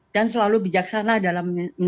dan selalu bijaksana